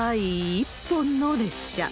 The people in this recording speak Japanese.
１本の列車。